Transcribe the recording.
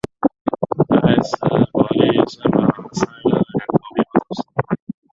埃斯帕利圣马塞勒人口变化图示